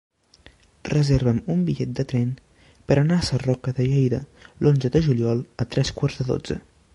Reserva'm un bitllet de tren per anar a Sarroca de Lleida l'onze de juliol a tres quarts de dotze.